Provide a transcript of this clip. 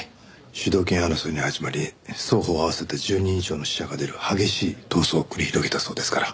主導権争いに始まり双方合わせて１０人以上の死者が出る激しい闘争を繰り広げたそうですから。